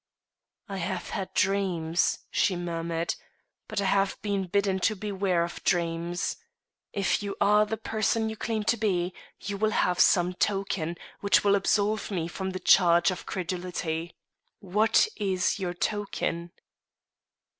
"I have had dreams," she murmured, "but I have been bidden to beware of dreams. If you are the person you claim to be, you will have some token which will absolve me from the charge of credulity. What is your token?"